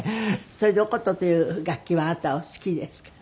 それでお箏という楽器はあなたはお好きですか？